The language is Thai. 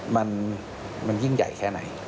มันยิ่งใหญ่แค่ไหน